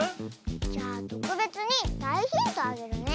じゃあとくべつにだいヒントあげるね。